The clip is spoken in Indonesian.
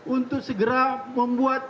untuk segera membuat